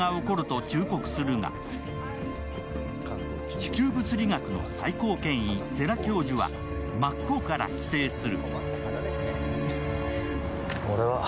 地球物理学の最高権威、世良教授は真っ向から否定する。